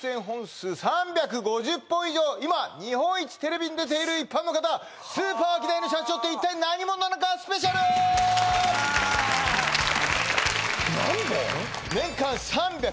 今日本一テレビに出ている一般の方スーパーアキダイの社長って一体何者なのかスペシャル何本？